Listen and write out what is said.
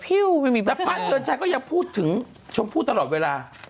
แต่พระเดือนชัยก็ยังพูดถึงชมพู่ตลอดเวลา